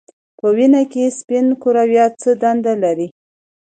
په وینه کې سپین کرویات څه دنده لري